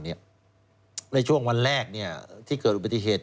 ในช่วงวันแรกที่เกิดอุบัติเหตุ